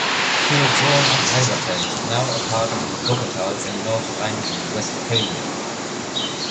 He was born in Elberfeld, now a part of Wuppertal in North Rhine-Westphalia.